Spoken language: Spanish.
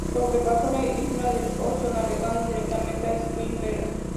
Sobrepasó la isla del Oso, navegando directamente a Spitsbergen.